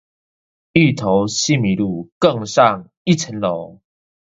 芋頭西米露，更上一層樓